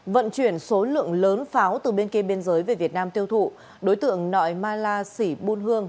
vận chuyển số lượng lớn pháo từ bên kia biên giới về việt nam tiêu thụ đối tượng nội mala sỉ bun hương